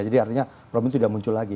jadi artinya problem itu sudah muncul lagi